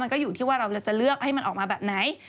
ก็อยู่ที่ว่าเราจะเลือกให้มันออกมาแบบไหน